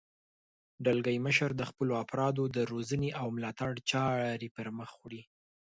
دلګی مشر د خپلو افرادو د روزنې او ملاتړ چارې پرمخ وړي.